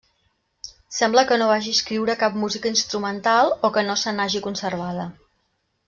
Sembla que no vagi escriure cap música instrumental, o que no se n'hagi conservada.